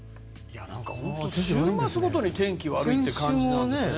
本当に週末ごとに天気が悪いって感じですね。